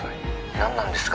☎何なんですか？